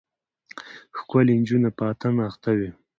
ښکلې نجونه په اتڼ اخته وې.